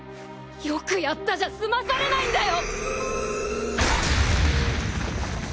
よくやったじゃ済まされないんだよ！